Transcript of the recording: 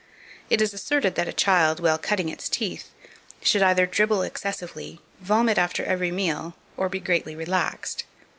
It is asserted that a child, while cutting its teeth, should either dribble excessively, vomit after every meal, or be greatly relaxed.